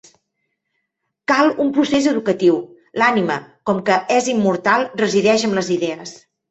Cal un procés educatiu: l'ànima, com que és immortal, resideix amb les idees.